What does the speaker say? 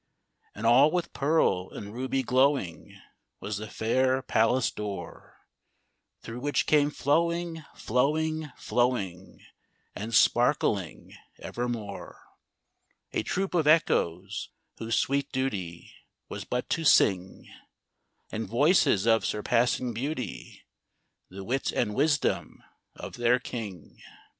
And all with pearl and ruby glowing Was the fair palace door, Through which came flowing, flowing, flowing, And sparkling evermore, A troop of Echoes, whose sweet duty Was but to sing, In voices of surpassing beauty, The wit and wisdom of their king.